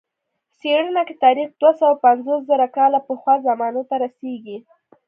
څېړنه کې تاریخ دوه سوه پنځوس زره کاله پخوا زمانو ته رسېږي.